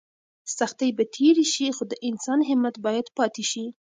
سختۍ به تېرې شي خو د انسان همت باید پاتې شي.